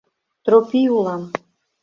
Тропий улам.